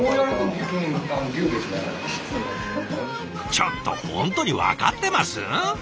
ちょっと本当に分かってます？